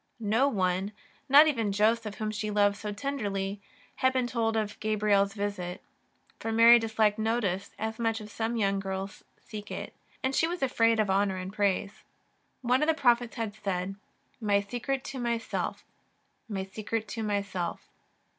No one, not even Joseph whom she loved so tenderly, had been told of Gabriel's visit, for Mary disliked notice as much as some young girls seek it, and she was afraid of honour and praise. One of the prophets had said: " My secret to myself, my secret to myself."